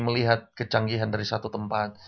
melihat kecanggihan dari satu tempat